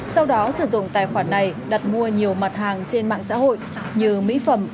sau đó sử dụng tài khoản này đặt mua nhiều mặt hàng trên mạng xã hội như mỹ phẩm